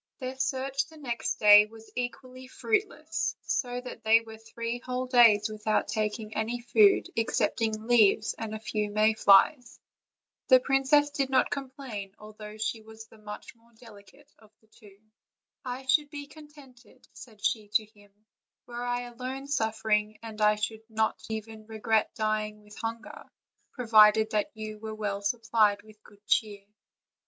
Their search the next day was equally fruitless; so that they were three whole days without taking any food excepting leaves, and a few may flies. The princess did not complain, although she was much the more delicate of the two. "I should be contented," said she to him, "were I alone suffering, and I should not even regret dying with hunger, provided that you were well supplied with good cheer."